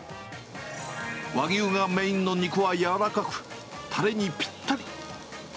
和牛がメインの肉は柔らかく、たれにぴったり。